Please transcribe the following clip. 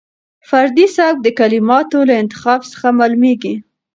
فردي سبک د کلماتو له انتخاب څخه معلومېږي.